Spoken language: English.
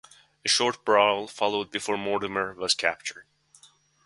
A short brawl followed before Mortimer was captured.